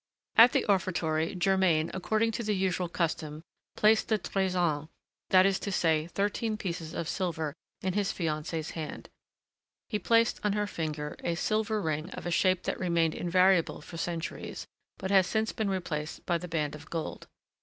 At the offertory, Germain, according to the usual custom, placed the treizain that is to say, thirteen pieces of silver in his fiancée's hand. He placed on her finger a silver ring of a shape that remained invariable for centuries, but has since been replaced by the _band of gold.